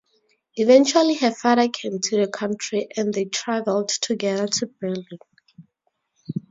Eventually her father came to the country and they traveled together to Berlin.